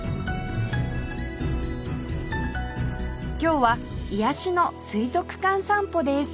今日は癒やしの水族館散歩です